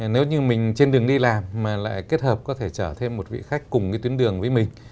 nếu như mình trên đường đi làm mà lại kết hợp có thể chở thêm một vị khách cùng cái tuyến đường với mình